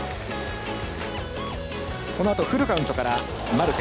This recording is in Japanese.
このあとフルカウントからマルテ。